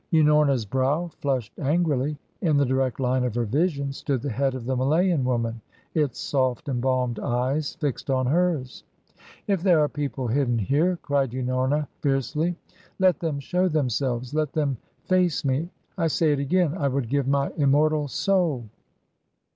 Unorna's brow flushed angrily. In the direct line of her vision stood the head of the Malayan woman, its soft, embalmed eyes fixed on hers. "If there are people hidden here," cried Unorna fiercely, "let them show themselves! let them face me! I say it again I would give my immortal soul!"